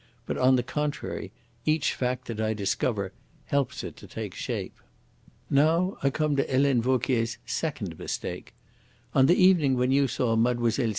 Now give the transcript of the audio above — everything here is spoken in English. But, on the contrary, each fact that I discover helps it to take shape. "Now I come to Helene Vauquier's second mistake. On the evening when you saw Mlle.